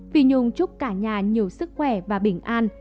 phi nhung chúc cả nhà nhiều sức khỏe và bình an